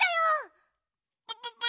プププ！